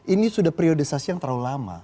ini sudah priorisasi yang terlalu lama